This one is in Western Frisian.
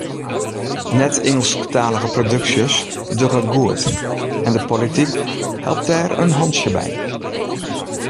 Net-Ingelsktalige produksjes dogge it goed en de polityk helpt dêr in hantsje by.